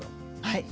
はい。